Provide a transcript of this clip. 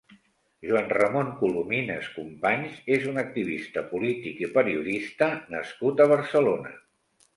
Joan-Ramon Colomines-Companys és un activista polític i periodista nascut a Barcelona.